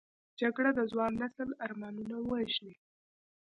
جګړه د ځوان نسل ارمانونه وژني